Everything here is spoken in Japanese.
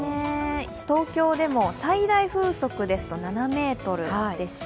東京でも最大風速ですと７メートルでした。